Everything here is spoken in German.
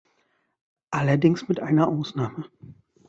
Allerdings mit einer Ausnahme.